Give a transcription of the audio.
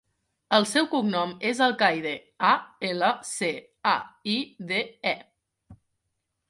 El seu cognom és Alcaide: a, ela, ce, a, i, de, e.